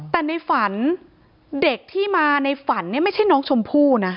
แต่ในฝันเด็กที่มาในฝันเนี่ยไม่ใช่น้องชมพู่นะ